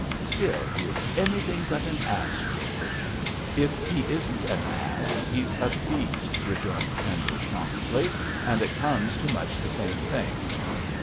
'Still, he is anything but an ass George.' 'If he isn't an ass he's a beast,' rejoined Pendle, promptly, 'and it comes to much the same thing.'